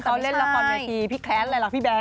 เขาเล่นละครเมื่อทีพี่แครสอะไรหรอพี่แบงค์